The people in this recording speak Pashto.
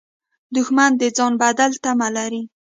دښمن د ځان بدل تمه لري